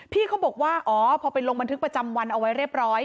พี่เขาบอกว่าอ๋อพอไปลงบันทึกประจำวันเอาไว้เรียบร้อย